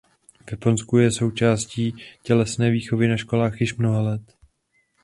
V Japonsku je součástí tělesné výchovy na školách již mnoho let.